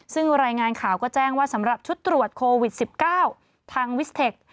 ซึ่งรายงานข่าวก็แจ้งว่าสำหรับชุดตรวจโควิด๑๙ทางวิสเทค